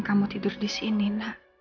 kamu tidur disini nak